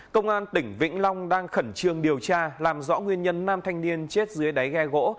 công an tỉnh vĩnh long đang khẩn trương điều tra làm rõ nguyên nhân nam thanh niên chết dưới đáy ghe gỗ